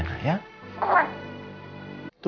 tuh keisha juga setuju